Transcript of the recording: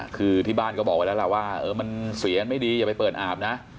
คือที่บ้านก็บอกไว้แล้วล่ะว่ามันเสียงไม่ดีอย่าไปเปิดอาบนะ